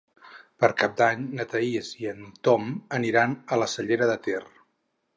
Per Cap d'Any na Thaís i en Ton aniran a la Cellera de Ter.